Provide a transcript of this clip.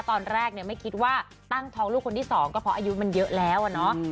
ตอนแรกไม่คิดว่าตั้งท้องลูกคนที่๒ก็เพราะอายุมันเยอะแล้ว